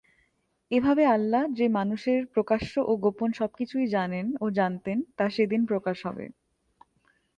এভাবে আল্লাহ যে মানুষের প্রকাশ্য ও গোপন সব কিছুই জানেন ও জানতেন তা সেদিন প্রকাশ হবে।